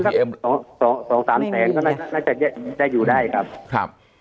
ต่อตามแสนก็น่าจะได้อยู่ได้ครับ